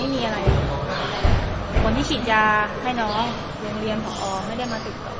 ไม่น้อง